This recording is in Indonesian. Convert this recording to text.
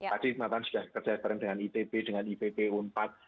tadi mataan sudah kerja bareng dengan itb dengan ipb unpad